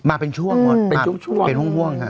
มาเป็นช่วงบ้างเป็นห่วงค่ะ